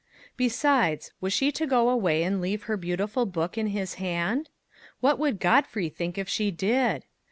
Besides, was she to go away and leave her beautiful book in his hand? What would Godfrey think if she did?